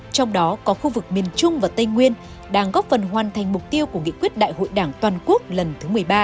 trong đó có khu vực miền trung và tây nguyên đang góp phần hoàn thành mục tiêu của nghị quyết đại hội đảng toàn quốc lần thứ một mươi ba